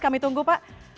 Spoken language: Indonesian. kami tunggu pak